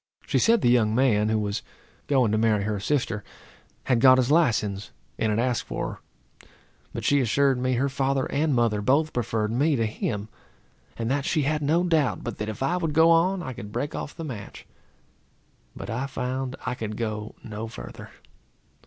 She said the young man, who was going to marry her sister, had got his license, and had asked for her; but she assured me her father and mother both preferred me to him; and that she had no doubt but that, if I would go on, I could break off the match. But I found I could go no further.